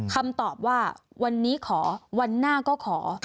คำตอบว่าวันนี้ขอวันหน้าก็ขอ